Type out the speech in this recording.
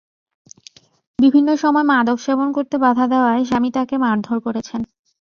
বিভিন্ন সময় মাদক সেবন করতে বাধা দেওয়ায় স্বামী তাঁকে মারধর করেছেন।